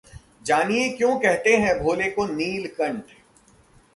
जानिये क्यों कहते हैं भोले को नीलकंठ